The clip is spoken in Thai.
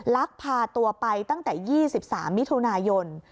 ลักพาตัวไปตั้งแต่๒๓มิถุนายน